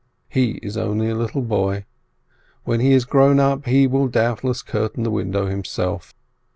He is only a little boy. When he is grown up, he will doubtless curtain the window himself.